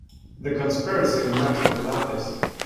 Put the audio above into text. The conspiracy nuts will love this.